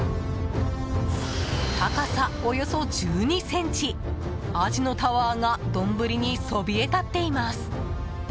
高さおよそ１２ｃｍアジのタワーが丼にそびえ立っています。